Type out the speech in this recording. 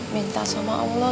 minta sama allah